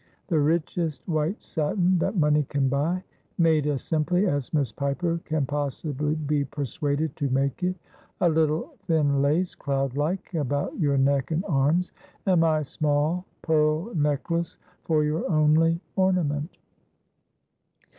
The richest white satin that money can buy, made as simply as Miss Piper can possibly be persuaded to make it. A little thin lace, cloudlike, about your neck and arms, and my small pearl necklace for your only ornament.'